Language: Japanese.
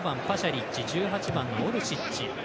リッチ１８番のオルシッチ。